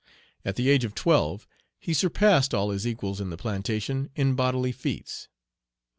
At the age of twelve he surpassed all his equals in the plantation in bodily feats.